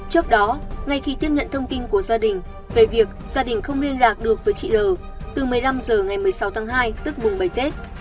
trước đó ngay khi tiếp nhận thông tin của gia đình về việc gia đình không liên lạc được với chị r từ một mươi năm h ngày một mươi sáu tháng hai tức mùng bảy tết